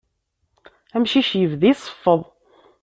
Amcic yebda iseffeḍ.